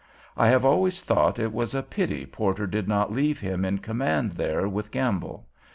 I have always thought it was a pity Porter did not leave him in command there with Gamble.